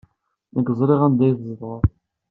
Nekk ẓriɣ anda ay tzedɣed.